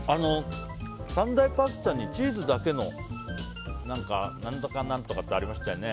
三大パスタにチーズだけの何とか何とかってありましたよね。